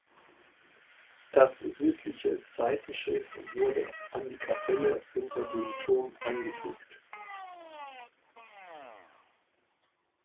Das südliche Seitenschiff wurde an die Kapelle unter dem Turm angefügt.